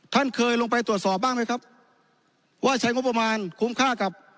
ท่านเคยลงไปตรวจสอบบ้างไหมครับว่าใช้งบประมาณคุ้มค่ากับ